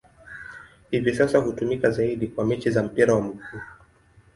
Hivi sasa hutumika zaidi kwa mechi za mpira wa miguu.